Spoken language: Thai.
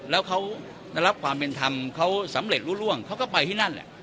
แล้วเขาได้รับความเป็นธรรมเขาสำเร็จรู้ร่วงเขาก็ไปที่นั่นแหละ